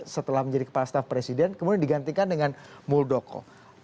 setelah menjadi kepala staf presiden kemudian digantikan dengan muldoko